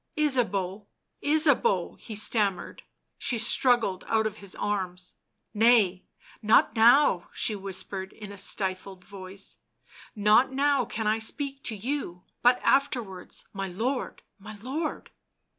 "Ysabeau, Ysabeau!" he stammered. She struggled out of his arms. "Nay, not now," she whispered in a stifled voice, " not now can I speak to you, but afterwards— my lord ! my lord